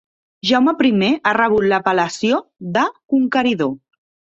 Jaume primer ha rebut l'apel·lació de "Conqueridor".